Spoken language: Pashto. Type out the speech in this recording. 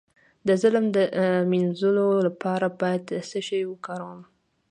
د ظلم د مینځلو لپاره باید څه شی وکاروم؟